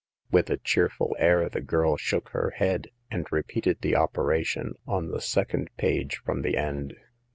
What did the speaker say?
With a cheerful air the girl shook her head, and repeated the operation on the second page from the end.